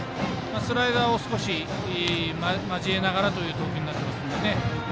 スライダーを少し交えながらという投球になってますので。